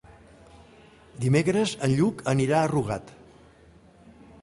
Dimecres en Lluc anirà a Rugat.